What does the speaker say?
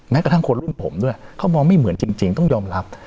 กระทั่งคนรุ่นผมด้วยเขามองไม่เหมือนจริงต้องยอมรับ